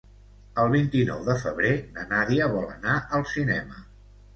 El vint-i-nou de febrer na Nàdia vol anar al cinema.